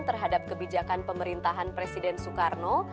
terhadap kebijakan pemerintahan presiden soekarno